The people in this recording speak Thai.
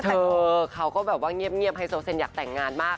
เออเขาก็แบบว่าเงียบไฮโซเซนอยากแต่งงานมาก